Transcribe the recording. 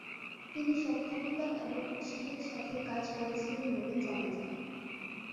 তিনি সক্ষমতা এবং উৎসাহের সাথে কাজ করেছিলেন বলে জানা যায়।